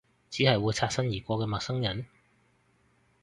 只係會擦身而過嘅陌生人？